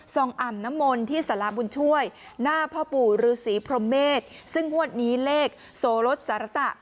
อ่ำน้ำมนต์ที่สารบุญช่วยหน้าพ่อปู่ฤษีพรหมเมษซึ่งงวดนี้เลขโสรสสารตะ